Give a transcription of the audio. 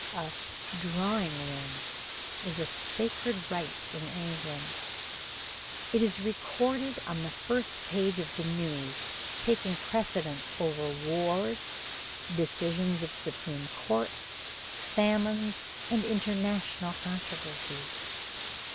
A "drawing room" is a sacred rite in England. It is recorded on the first page of the news, taking precedence over wars, decisions of supreme courts, famines, and international controversies.